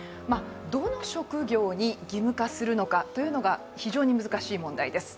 どの職業に義務化するのかというのが非常に難しい問題です。